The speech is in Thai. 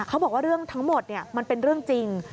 เขาบอกว่าเรื่องทั้งหมดมันเป็นเรื่องจริง